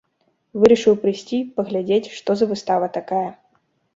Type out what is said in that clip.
Вырашыў прыйсці, паглядзець, што за выстава такая.